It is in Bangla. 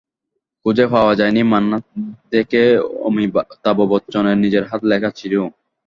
খুঁজে পাওয়া যায়নি মান্না দেকে অমিতাভ বচ্চনের নিজের হাতে লেখা চিঠিও।